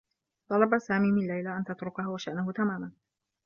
طلب سامي من ليلى أن تتركه و شأنه تماما.